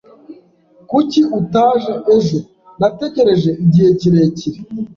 Kuki utaje ejo? Nategereje igihe kirekire.